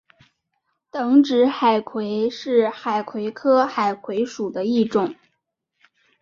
等指海葵是海葵科海葵属的一种。